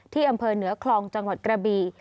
ที่อำเภอเหนือคลองจังหวัดกระบี